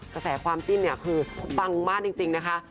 กระแสความจิ้นเนี่ยคือปังมากจริงนะคะ